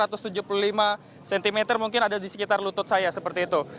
atau sentimeter mungkin ada di sekitar lutut saya seperti itu